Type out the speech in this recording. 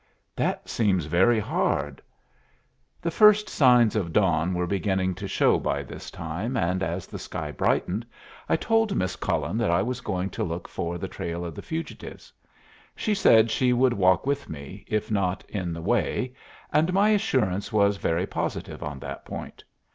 "That seems very hard." The first signs of dawn were beginning to show by this time, and as the sky brightened I told Miss Cullen that I was going to look for the trail of the fugitives. She said she would walk with me, if not in the way, and my assurance was very positive on that point.